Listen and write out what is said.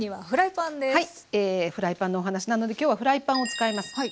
フライパンのお話なので今日はフライパンを使います。